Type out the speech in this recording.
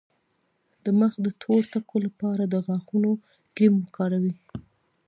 د مخ د تور ټکو لپاره د غاښونو کریم وکاروئ